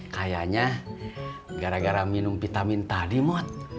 kayaknya gara gara minum vitamin tadi mut